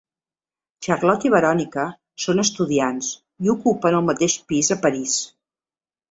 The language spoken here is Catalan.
Charlotte i Verònica són estudiants i ocupen el mateix pis a París.